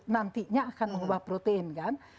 nantinya akan mengubah protein kan